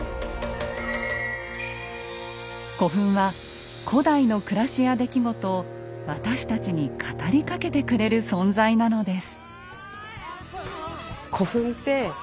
古墳は古代の暮らしや出来事を私たちに語りかけてくれる存在なのです。